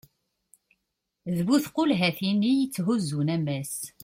d bu tqulhatin i yetthuzzun ammas